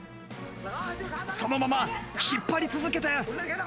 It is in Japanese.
そのまま引っ張り続けて。